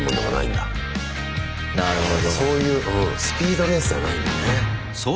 そういうスピードレースじゃないんだね。